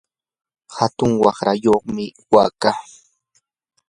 hatun waqrayuqmi wakaa.